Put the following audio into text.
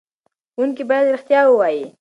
ښوونکي باید رښتیا ووايي.